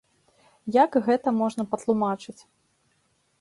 Як гэта можна патлумачыць?